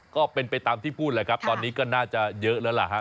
ก็เป็นไปตามที่พูดแหละครับตอนนี้ก็น่าจะเยอะแล้วล่ะฮะ